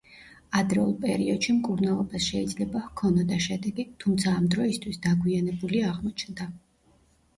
ადრეულ პერიოდში მკურნალობას შეიძლება ჰქონოდა შედეგი, თუმცა ამ დროისთვის დაგვიანებული აღმოჩნდა.